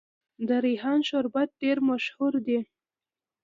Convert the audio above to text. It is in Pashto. د ریحان شربت ډیر مشهور دی.